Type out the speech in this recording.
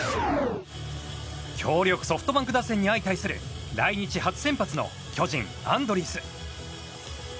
強力ソフトバンク打線に相対する来日初先発の巨人、アンドリース。